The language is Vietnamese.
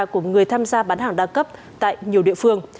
của người tham gia bán hàng đa cấp tại nhiều địa phương